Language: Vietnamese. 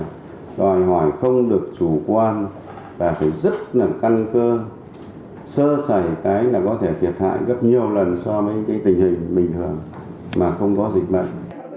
là đòi hỏi không được chủ quan và phải rất là căn cơ sơ sảy cái là có thể thiệt hại rất nhiều lần so với cái tình hình bình thường mà không có dịch bệnh